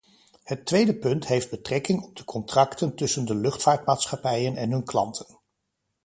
Het tweede punt heeft betrekking op de contracten tussen de luchtvaartmaatschappijen en hun klanten.